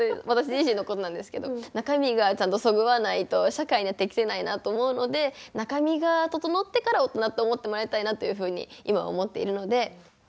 私自身のことなんですけど中身がちゃんとそぐわないと社会には適せないなと思うので中身が整ってから大人って思ってもらいたいなというふうに今は思っているので。